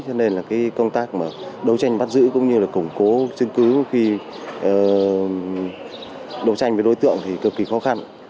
cho nên là cái công tác mà đấu tranh bắt giữ cũng như là củng cố chứng cứ khi đấu tranh với đối tượng thì cực kỳ khó khăn